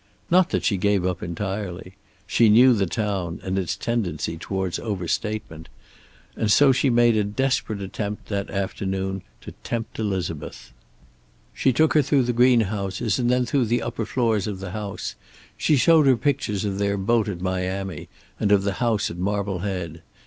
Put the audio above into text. Not that she gave up entirely. She knew the town, and its tendency toward over statement. And so she made a desperate attempt, that afternoon, to tempt Elizabeth. She took her through the greenhouses, and then through the upper floors of the house. She showed her pictures of their boat at Miami, and of the house at Marblehead.